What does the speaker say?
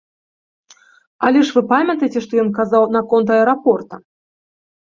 Але ж вы памятаеце, што ён казаў наконт аэрапорта?